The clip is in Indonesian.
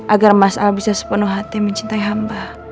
agar mas a bisa sepenuh hati mencintai hamba